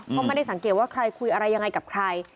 ก็ไม่ได้สังเกตว่าใครคุยอะไรยังไงกับใคร